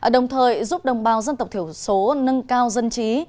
đồng thời giúp đồng bào dân tộc thiểu số nâng cao dân trí